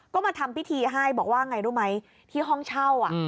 ก็มาทำพิธีให้บอกว่าไงรู้ไหมที่ห้องเช่า